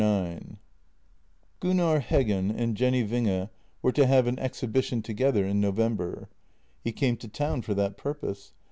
IX G UNNAR HEGGEN and Jenny Winge were to have an exhibition together in November. He came to town for that purpose.